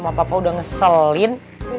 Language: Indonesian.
gak apa apa udah ngeselin